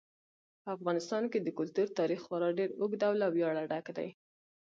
په افغانستان کې د کلتور تاریخ خورا ډېر اوږد او له ویاړه ډک دی.